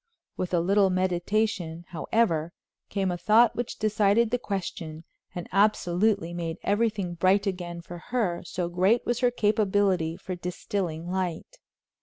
With a little meditation, however, came a thought which decided the question and absolutely made everything bright again for her, so great was her capability for distilling light.